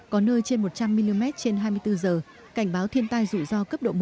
có nơi trên một trăm linh mm trên hai mươi bốn giờ cảnh báo thiên tai rủi ro cấp độ một